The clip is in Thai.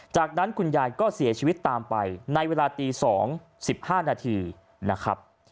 จากนั้นคุณยายก็เสียชีวิตตามไปในเวลาตี๒๑๕นาทีนะครับ